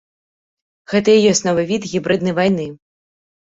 Гэта і ёсць новы від гібрыднай вайны.